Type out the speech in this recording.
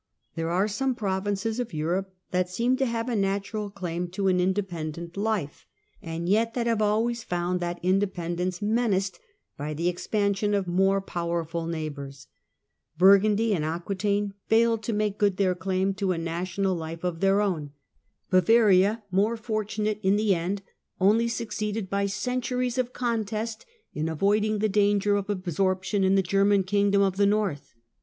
There are some provinces Europe that seem to have a natural claim to an inde CHARLES, KING OF THE FRANKS, 773 799 163 pendent life, and yet that have always found that in dependence menaced by the expansion of more powerful neighbours. Burgundy and Aquetaine failed to make good their claim to a national life of their own ; Bavaria, more fortunate in the end, only succeeded by centuries of contest in avoiding the danger of absorption in the German kingdom of the north.